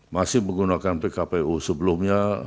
masih menggunakan pkpu sebelumnya